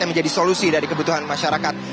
yang menjadi solusi dari kebutuhan masyarakat